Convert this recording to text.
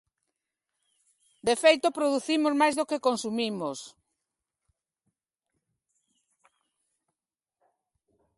De feito, producimos máis do que consumimos.